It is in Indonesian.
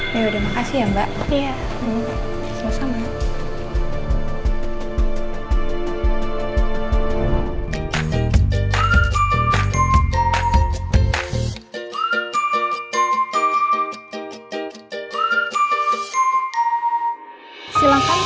ya udah makasih ya mbak